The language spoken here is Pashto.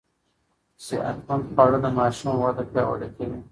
صحتمند خواړه د ماشوم وده پياوړې کوي.